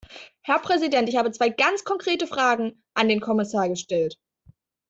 Herr Präsident, ich habe zwei ganz konkrete Fragen an den Kommissar gestellt.